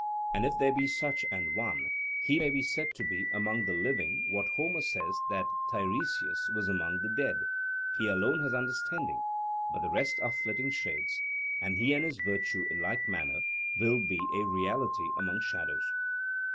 And if there be such an one, he may be said to be among the living what Homer says that Tiresias was among the dead, 'he alone has understanding; but the rest are flitting shades'; and he and his virtue in like manner will be a reality among shadows.